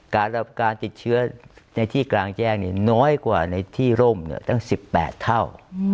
การติดเชื้อในที่กลางแจ้งน้อยกว่าในที่ร่มตั้ง๑๘เท่า